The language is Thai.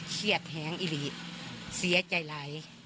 เครียดแหงอิริเสียใจไหล